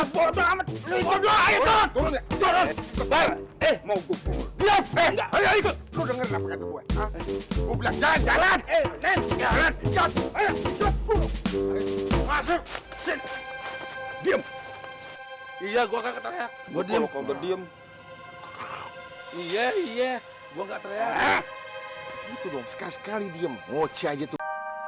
betul dong sekali sekali diem ngoceh aja tuh